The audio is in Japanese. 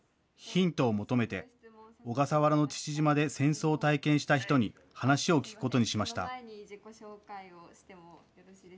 ヒントを求めて、小笠原の父島で戦争を体験した人に話を聞くことにしました。